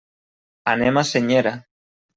Anem a Senyera.